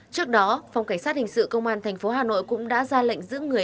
trước đó phòng cảnh sát hình sự công an tp hà nội cũng đã ra lệnh giữ người